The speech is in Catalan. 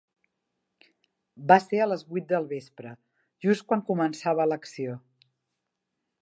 Va ser a les vuit del vespre, just quan començava l’acció.